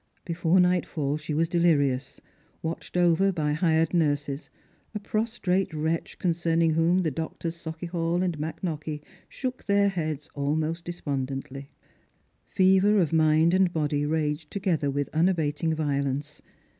Before nightfall she was delirious, watched over by hired nurses, a prostrate wretch concerning whom the doctors Sau chiehall and McKnockie shook their heads almost despondently. Fever of mind and body raged together with unabating violence.